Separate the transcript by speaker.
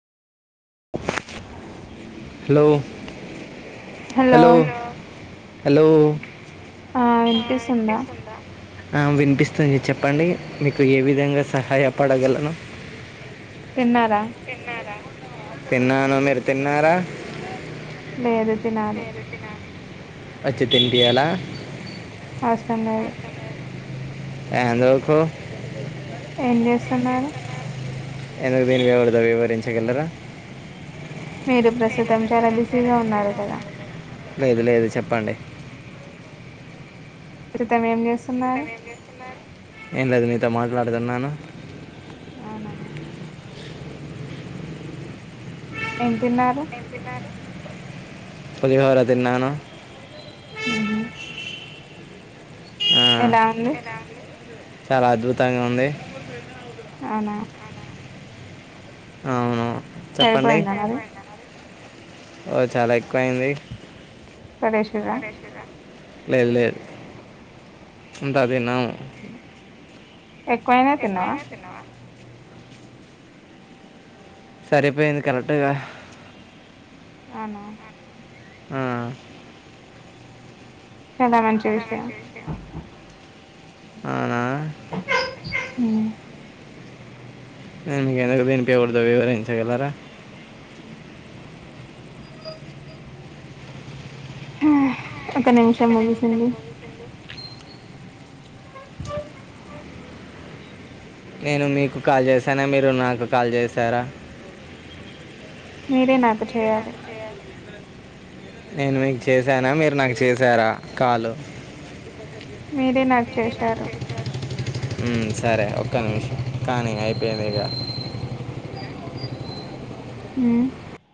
Speaker 1: hello
Speaker 2: hello
Speaker 1: hello
Speaker 2: ఆ వినిపిస్తుందా
Speaker 1: వినిపిస్తుంది చెప్పండి మీకు ఏ విధంగా సహాయపడగలను
Speaker 2: తిన్నారా
Speaker 1: తిన్నారా తిన్నాను మీరు తిన్నారా
Speaker 2: లేదు తినాలి
Speaker 1: వచ్చి తినిపియ్యల
Speaker 2: అవసరం లేదు
Speaker 1: ఎందుకు
Speaker 2: ఎం చేస్తున్నారు
Speaker 1: ఎందుకు తినిపియ్యకూడదో వివరించగలరా
Speaker 2: పేరు ప్రస్తుతం చాలా బిజీగా ఉన్నారు కదా
Speaker 1: లేదు లేదు చెప్పండి
Speaker 2: ప్రస్తుతం ఏం చేస్తున్నారు
Speaker 1: ఏం లేదు మీతో మాట్లాడుతున్నాను
Speaker 2: అవునా ఏం తిన్నారు
Speaker 1: పులిహోర తిన్నాను
Speaker 2: హు
Speaker 1: ఆ,
Speaker 2: ఎలా ఉంది
Speaker 1: చాలా అద్భుతంగా ఉంది
Speaker 2: అవునా
Speaker 1: అవును చెప్పండి
Speaker 2: సరిపోయిందా మరి
Speaker 1: ఓ చాలా ఎక్కువయింది
Speaker 2: సరే శివా
Speaker 1: లేదు లేదు అంతా తిన్నాము
Speaker 2: ఎక్కువనే తిన్నావా
Speaker 1: సరిపోయింది కరెక్ట్ గా
Speaker 2: అవునా
Speaker 1: ఆ
Speaker 2: చాలా మంచి విషయం
Speaker 1: అవునా
Speaker 2: హు
Speaker 1: నేను మీకు ఎందుకు తినిపియకూడదో వివరించగలరా
Speaker 2: హా ఒక నిమిషం ముగిసింది
Speaker 1: నేను మీకు కాల్ చేశానా మీరు నాకు కాల్ చేశారా
Speaker 2: మీరే నాకు చేయాలి
Speaker 1: నేను మీకు చేసానా మీరు నాకు చేసారా కాల్
Speaker 2: మీరే నాకు చేశారు
Speaker 1: హు సరే ఒక్క నిమిషం కానీ అయిపోయింది ఇక
Speaker 2: హు